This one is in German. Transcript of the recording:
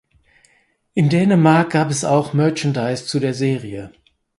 In Dänemark gab es auch Merchandise zu der Serie.